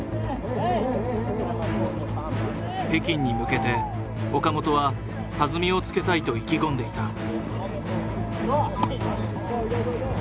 北京に向けて岡本は弾みをつけたいと意気込んでいた。